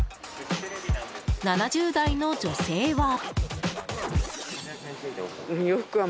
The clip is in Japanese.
７０代の女性は。